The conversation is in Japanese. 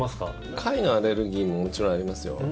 貝のアレルギーももちろんありますよ。